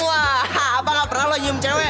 mwah apa gak pernah lu cium cewek